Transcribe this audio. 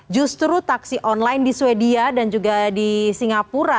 justru taksi online di sweden dan juga di singapura